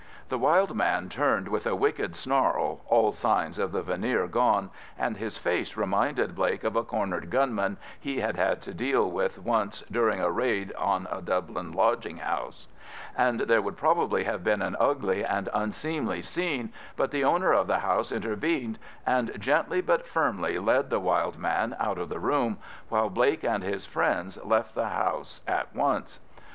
The wild man turned with a wicked snarl, all signs of the veneer gone, and his face reminded Blake of a cornered gunman he had had to deal with once during a raid on a Dublin lodging house; and there would probably have been an ugly and unseemly scene, but the owner of the house intervened, and gently but firmly led the wild man out of the room, while Blake and his friends left the house at once.